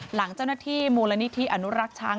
หลังเจ้าหน้าที่มูลนิธิอนุรักษ์ช้าง